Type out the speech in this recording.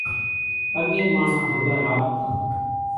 اڳيَ ماڻۿان هلر هاڪتان۔